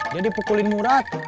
dia dipukulin murad